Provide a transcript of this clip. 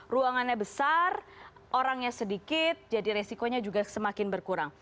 ruangannya besar orangnya sedikit jadi resikonya juga semakin berkurang